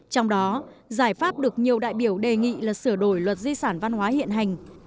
trong đó giải pháp được nhiều đại biểu đề nghị là sửa đổi luật di sản văn hóa hiện hành